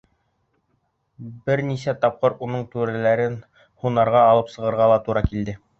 Бер нисә тапҡыр уның түрәләрен һунарға алып сығырға ла тура килде.